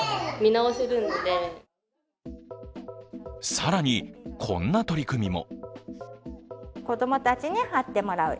更に、こんな取り組みも。